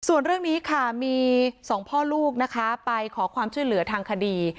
ส่วนเรื่องนี้ค่ะมีสองพ่อลูกนะคะไปขอความช่วยเหลือทางคดี